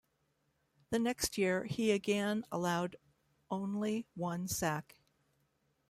The next year, he again allowed only one sack.